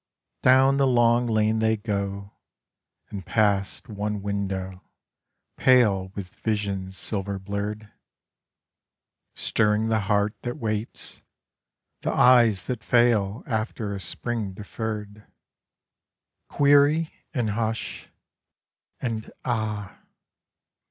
Down the long lane they go, and past one window, pale With visions silver blurred; Stirring the heart that waits, the eyes that fail After a spring deferred. Query, and hush, and Ah!